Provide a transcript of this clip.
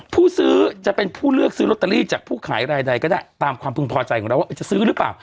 ผู้ซื้อจะเป็นผู้เลือกซื้อลอตเตอรี่จากผู้ขายรายใดก็ได้ตามความพึงพอใจของเราว่าจะซื้อหรือเปล่า